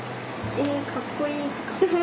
えかっこいい。